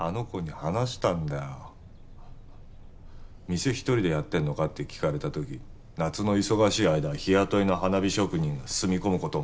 店１人でやってるのかって聞かれた時夏の忙しい間は日雇いの花火職人が住み込む事もあるって。